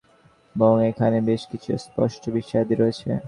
নীতিমালাটি যথেষ্ট পুরনো হয়ে গেছে এবং এখানে বেশ কিছু অস্পষ্ট বিষয়াদি রয়েছে।